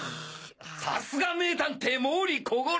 さすが名探偵毛利小五郎！